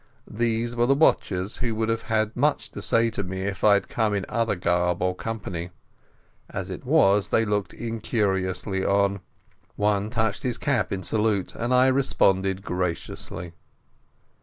These were the watchers who would have had much to say to me if I had come in other garb or company. As it was, they looked incuriously on. One touched his cap in salute, and I responded graciously.